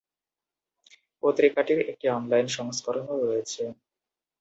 পত্রিকাটির একটি অনলাইন সংস্করণও রয়েছে।